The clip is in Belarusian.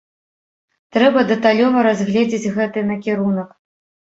Трэба дэталёва разгледзіць гэты накірунак.